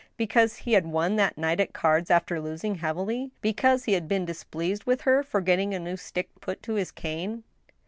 Because he had won that night at cards, after losing heavily ? Because he had been displeased with her for getting a new stick put to his cane?